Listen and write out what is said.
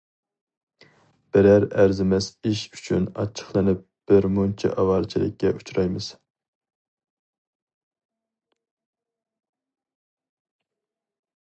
بىرەر ئەرزىمەس ئىش ئۈچۈن ئاچچىقلىنىپ، بىر مۇنچە ئاۋارىچىلىككە ئۇچرايمىز.